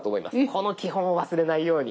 この基本を忘れないように。